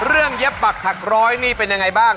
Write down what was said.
เย็บปักถักร้อยนี่เป็นยังไงบ้าง